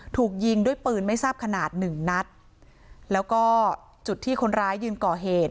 ถูกยิงด้วยปืนไม่ทราบขนาดหนึ่งนัดแล้วก็จุดที่คนร้ายยืนก่อเหตุ